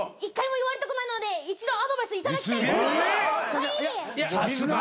１回も言われたことないので一度アドバイス頂きたいです。